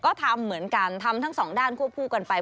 ก็ทำเหมือนกันทำทั้งสองด้านควบคู่กันไป